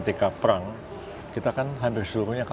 dan tidak begitu banyak